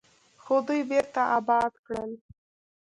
خو دوی بیرته اباد کړل.